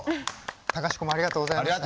隆子もありがとうございました。